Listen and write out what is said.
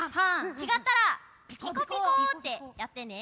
ちがったら「ピコピコ」ってやってね。